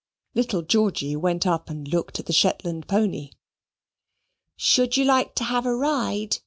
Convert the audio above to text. Little Georgy went up and looked at the Shetland pony. "Should you like to have a ride?"